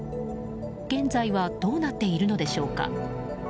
現在はどうなっているのでしょうか。